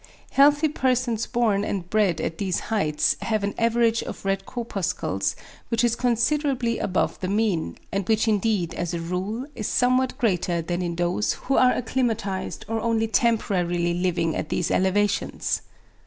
Healthy persons born and bred at these heights have an average of red corpuscles which is considerably above the mean; and which indeed as a rule is somewhat greater than in those who are acclimatised or only temporarily living at these elevations.